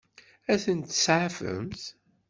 Ad tent-tseɛfemt?